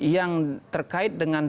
yang terkait dengan